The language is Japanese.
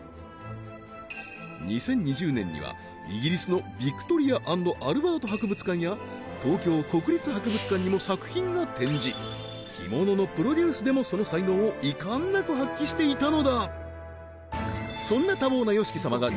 ２０２０年にはイギリスのヴィクトリア＆アルバート博物館や東京国立博物館にも作品が展示着物のプロデュースでもその才能を遺憾なく発揮していたのだそんな多忙なＹＯＳＨＩＫＩ様がああ！